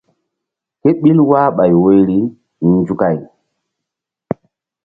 Ké ɓil wahɓay woyri nzukay.